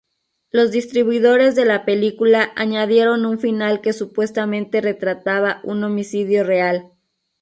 Los distribuidores de la película añadieron un final que supuestamente retrataba un homicidio real.